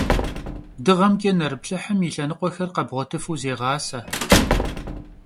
Dığemç'e nerıplhıhım yi lhenıkhuexer khebğuetıfu zığase.